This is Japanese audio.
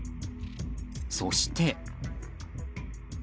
そして。